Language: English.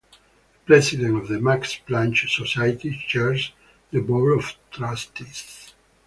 The President of the Max Planck Society chairs the Board of Trustees.